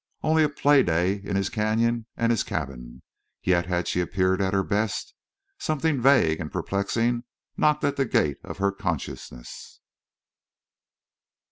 Only a play day in his canyon and his cabin! Yet had she appeared at her best? Something vague and perplexing knocked at the gate of her consciousness.